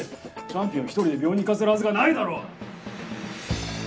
チャンピオン一人で病院に行かせるはずがないだろ！？